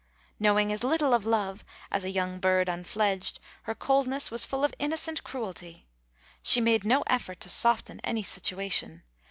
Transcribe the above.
Knowing as little of love as a young bird unfledged, her coldness was full of innocent cruelty. She made no effort to soften any situation.